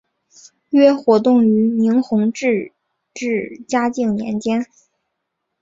约活动于明弘治至嘉靖年间。